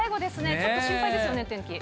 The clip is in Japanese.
ちょっと心配ですよね、お天気。